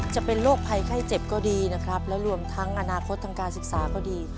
จะเป็นโรคภัยไข้เจ็บก็ดีนะครับแล้วรวมทั้งอนาคตทางการศึกษาก็ดี